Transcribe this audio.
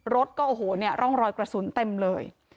รถก็โอ้โหเนี่ยร่องรอยกระสุนเต็มเลย